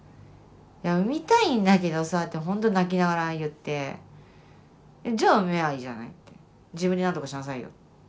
「いや産みたいんだけどさ」ってほんと泣きながら言って「じゃあ産めばいいじゃない」って「自分で何とかしなさいよ」。